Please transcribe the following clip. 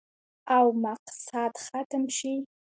او مقصد ختم شي